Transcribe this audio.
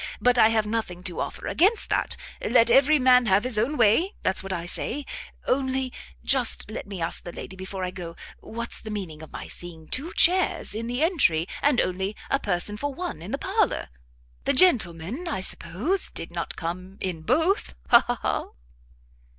But I have nothing to offer against that; let every man have his own way; that's what I say. Only just let me ask the lady before I go, what's the meaning of my seeing two chairs in the entry, and only a person for one in the parlour? The gentleman, I suppose, did not come in both; ha! ha! ha!"